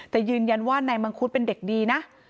แต่ยืนยันว่านายมังคุดเป็นเด็กดีนะ